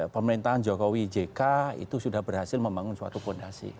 pemerintahan jokowi jk itu sudah berhasil membangun suatu fondasi